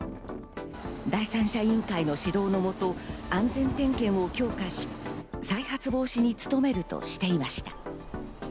第三者委員会の指導のもと、安全点検を強化し再発防止に努めるとしています。